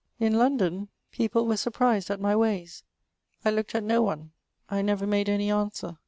In London people were surprised at my ways. I looked at no one — I never made any answer.